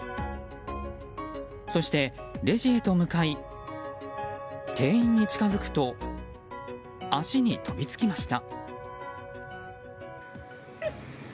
そして、レジへと向かい店員に近づくと足に飛びつきました。